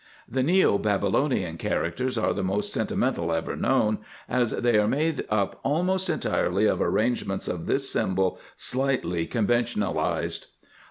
The neo Babylonian characters are the most sentimental ever known, as they are made up almost entirely of arrangements of this symbol slightly conventionalized.